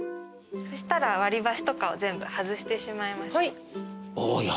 そしたら割り箸とかを全部外してしまいましょう。